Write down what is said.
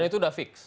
dan itu sudah fix